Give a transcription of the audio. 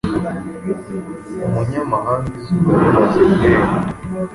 umunyamahangaIzuba rimaze kurenga